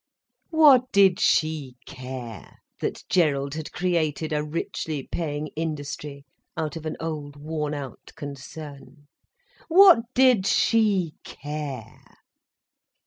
What did she care, that Gerald had created a richly paying industry out of an old worn out concern? What did she care?